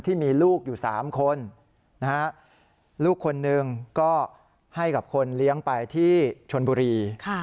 ที่มีลูกอยู่๓คนลูกคนหนึ่งก็ให้กับคนเลี้ยงไปที่ชนบุรี